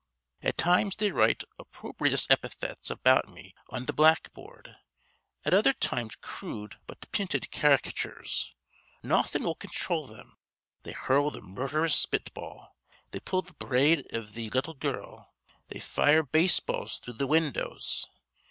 At times they write opprobyous epithets about me on th' blackboard; at other times crood but pinted carrycachures. Nawthin' will conthrol thim. They hurl the murdherous spitball. They pull th' braid iv th' little girl. They fire baseballs through th' windows.